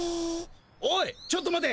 おいちょっと待て。